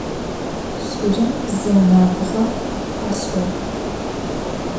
Şırım bzıu nabğo faş'ığ.